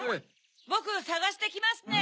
ボクさがしてきますね！